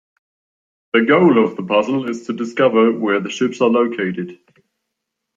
The goal of the puzzle is to discover where the ships are located.